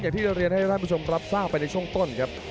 อย่างที่เรียนให้ท่านผู้ชมรับทราบไปในช่วงต้นครับ